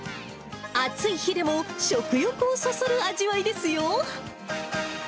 暑い日でも食欲をそそる味わいですよ。